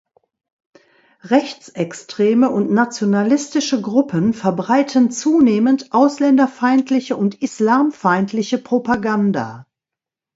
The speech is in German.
Rechtsextreme und nationalistische Gruppen verbreiten zunehmend ausländerfeindliche und islamfeindliche Propaganda.